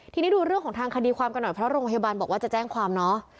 ทีนี้ดูเรื่องของทางคดีความกันหน่อยเพราะโรงพยาบาลบอกว่าจะแจ้งความเนาะ